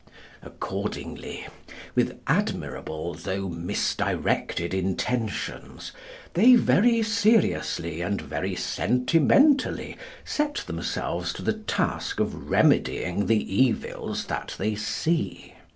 Accordingly, with admirable, though misdirected intentions, they very seriously and very sentimentally set themselves to the task of remedying the evils that they see.